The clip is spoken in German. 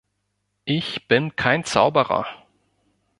Ich bin kein Zauberer!